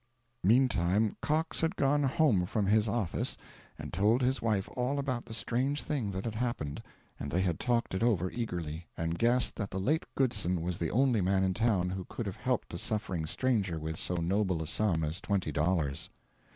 Meantime Cox had gone home from his office and told his wife all about the strange thing that had happened, and they had talked it over eagerly, and guessed that the late Goodson was the only man in the town who could have helped a suffering stranger with so noble a sum as twenty dollars.